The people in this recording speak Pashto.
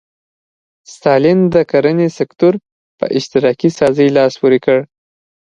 ستالین د کرنې سکتور په اشتراکي سازۍ لاس پورې کړ.